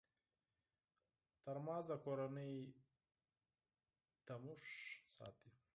ترموز د کورنۍ تودوخه ساتي.